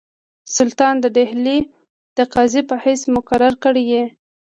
سلطان د ډهلي د قاضي په حیث مقرر کړی یې.